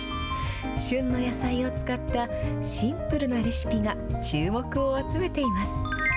旬の野菜を使ったシンプルなレシピが注目を集めています。